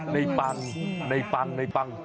ปังในปังในปัง